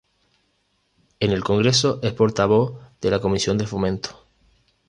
En el Congreso es portavoz de la Comisión de Fomento.